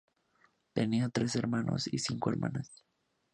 Tenía tres hermanos y cinco hermanas.